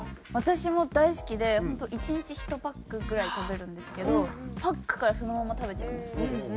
私も大好きでホント１日１パックぐらい食べるんですけどパックからそのまま食べちゃいます。